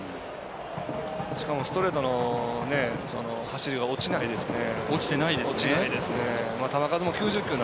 しかもストレートの走りが落ちないですね。